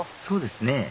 そうですね